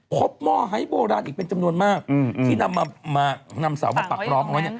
พบมาให้โบราณอีกเป็นจำนวนมากที่นำสาวมาปรับพร้อมไว้